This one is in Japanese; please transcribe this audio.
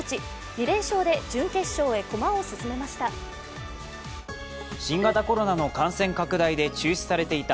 ２連勝で準決勝へ駒を進めました。